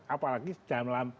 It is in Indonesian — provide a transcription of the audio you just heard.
apa yang terjadi